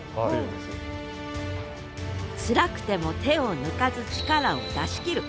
つらくても手を抜かず力を出し切る。